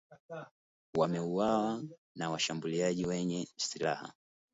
wameuawa na washambuliaji wenye silaha